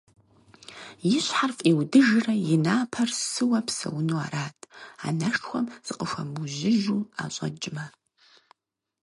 И щхьэр фӀиудыжрэ и напэр сыуэ псэуну арат, анэшхуэм зыкъыхуэмыужьыжу ӀэщӀэкӀмэ.